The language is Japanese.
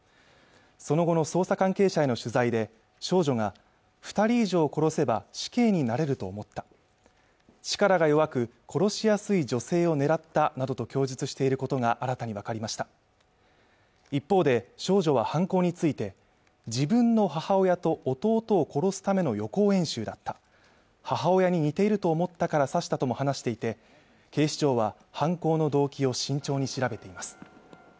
その後の捜査関係者への取材で少女が二人以上殺せば死刑になれると思った力が弱く殺しやすい女性を狙ったなどと供述していることが新たに分かりました一方で少女は犯行について自分の母親と弟を殺すための予行演習だった母親に似ていると思ったから刺したとも話していて警視庁は犯行の動機を慎重に調べています